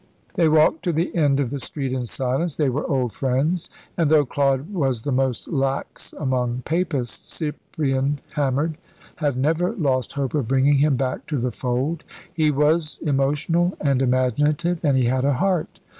They walked to the end of the street in silence. They were old friends; and though Claude was the most lax among Papists, Cyprian Hammond had never lost hope of bringing him back to the fold. He was emotional and imaginative, and he had a heart.